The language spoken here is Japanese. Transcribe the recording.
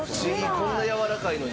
こんなやわらかいのにね。